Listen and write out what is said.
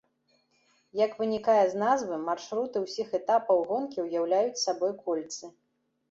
Як вынікае з назвы, маршруты ўсіх этапаў гонкі ўяўляюць сабой кольцы.